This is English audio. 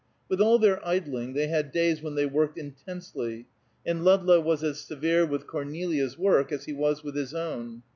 With all their idling they had days when they worked intensely, and Ludlow was as severe with Cornelia's work as he was with his own.